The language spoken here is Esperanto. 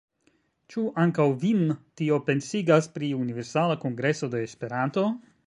Ĉu ankaŭ vin tio pensigas pri Universala Kongreso de Esperanto?